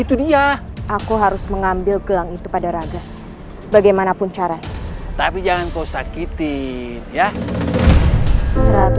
itu dia aku harus mengambil gelang itu pada raga bagaimanapun caranya tapi jangan kau sakitin ya satu